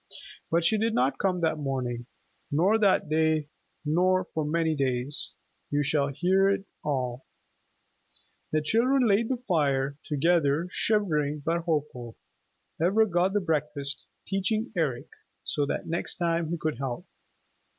But she did not come that morning, nor that day, nor for many days. You shall hear it all. The children laid the fire, together, shivering but hopeful. Ivra got the breakfast, teaching Eric, so that next time he could help.